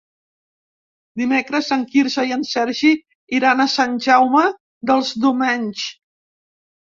Dimecres en Quirze i en Sergi iran a Sant Jaume dels Domenys.